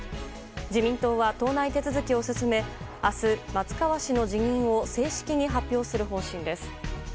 自民党は党内手続きを進め明日、松川氏の辞任を正式に発表する方針です。